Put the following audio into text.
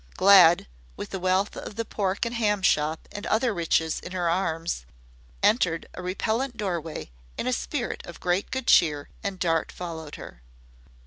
Glad, with the wealth of the pork and ham shop and other riches in her arms, entered a repellent doorway in a spirit of great good cheer and Dart followed her.